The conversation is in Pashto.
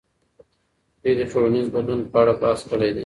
دوی د ټولنیز بدلون په اړه بحث کړی دی.